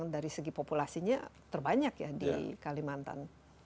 dari segi populasinya terbanyak ya di kalimantan